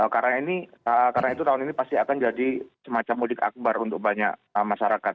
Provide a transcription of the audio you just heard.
karena itu tahun ini pasti akan jadi semacam mudik akbar untuk banyak masyarakat